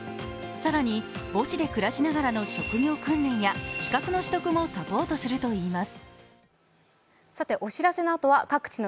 更に、母子で暮らしながらの職業訓練や資格の取得もサポートするといいます。